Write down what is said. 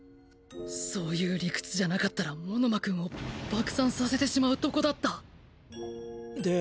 そういう理屈じゃなかったら物間くんを爆散させてしまうとこだったで？